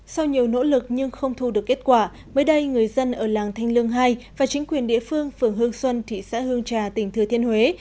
sau nhiều nỗ lực nhưng không thu được kết quả mới đây người dân ở làng thanh lương hai và chính quyền địa phương phường hương xuân thị xã hương trà tỉnh thừa thiên huế